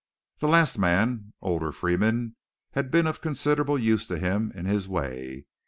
The last man, Older Freeman, had been of considerable use to him in his way.